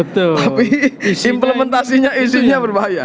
tapi implementasinya isinya berbahaya